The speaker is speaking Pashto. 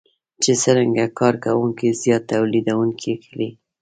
چې څرنګه کار کوونکي زیات توليدونکي کړي.